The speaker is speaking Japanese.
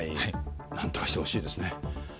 なんとかしてほしいですね。